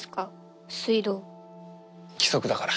規則だから。